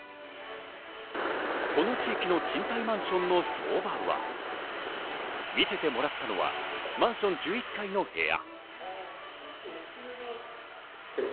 この地域の賃貸マンションの相場は見せてもらったのはマンション１１階の部屋。